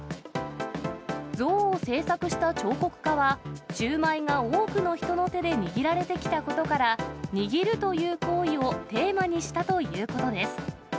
像を制作した彫刻家は、シューマイが多くの人の手で握られてきたことから、握るという行為をテーマにしたということです。